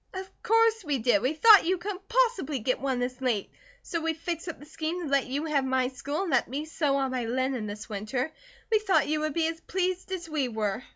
"Of course we did! We thought you couldn't possibly get one, this late, so we fixed up the scheme to let you have my school, and let me sew on my linen this winter. We thought you would be as pleased as we were."